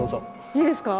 いいですか？